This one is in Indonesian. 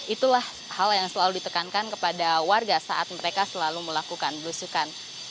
itulah hal yang selalu ditekankan kepada warga saat mereka selalu melakukan belusukan